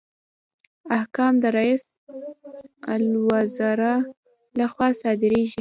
احکام د رئیس الوزرا لخوا صادریږي